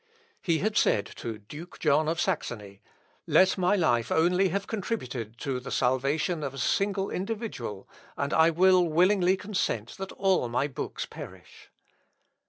He had said to Duke John of Saxony, "Let my life only have contributed to the salvation of a single individual, and I will willingly consent that all my books perish."